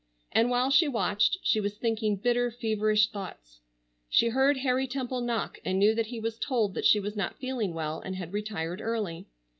And while she watched she was thinking bitter feverish thoughts. She heard Harry Temple knock and knew that he was told that she was not feeling well and had retired early.